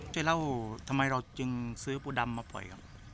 จะเล่าทำไมเราจึงซื้อปูดำมาปล่อยครับ